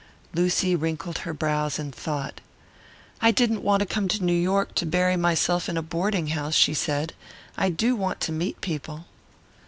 Lucy wrinkled her brows in thought. "I didn't come to New York to bury myself in a boarding house," she said. "I do want to meet people."